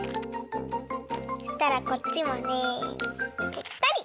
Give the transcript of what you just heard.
そしたらこっちもねぺったり！